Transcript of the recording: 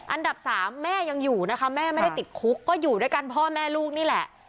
อันดับสามแม่ยังอยู่นะคะแม่ไม่ได้ติดคุกก็อยู่ด้วยกันพ่อแม่ลูกนี่แหละ